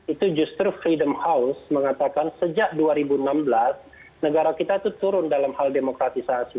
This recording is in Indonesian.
itu justru freedom house mengatakan sejak dua ribu enam belas negara kita itu turun dalam hal demokratisasi